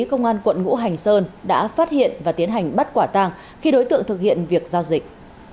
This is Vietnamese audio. công an quận ngũ hành sơn đã phát hiện và tiến hành bắt quả tàng khi đối tượng thực hiện việc giao dịch